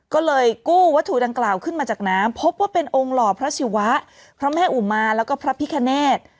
ก็เลยกู้วัตถุดังกล่าวขึ้นมาจากน้ำพบว่าเป็นองค์หล่อพระศิวะพระแม่อุมาแล้วก็พระพิคเนธ